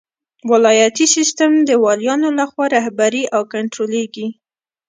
ولایتي سیسټم د والیانو لخوا رهبري او کنټرولیږي.